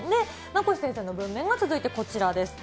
名越先生の文面が続いてこちらです。